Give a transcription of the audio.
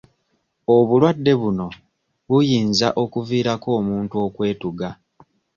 Obulwadde buno buyinza okuviirako omuntu okwetuga.